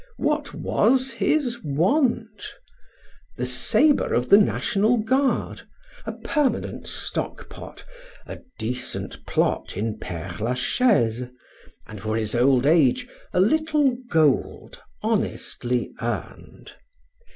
What was his want? The sabre of the National Guard, a permanent stock pot, a decent plot in Pere Lachaise, and, for his old age, a little gold honestly earned.